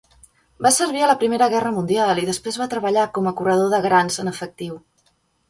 Va servir a la Primera Guerra Mundial i després va treballar com a corredor de grans en efectiu.